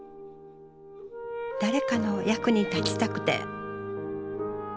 誰かの役に立ちたくて。